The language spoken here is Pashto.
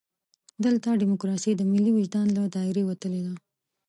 دلته ډیموکراسي د ملي وجدان له دایرې وتلې ده.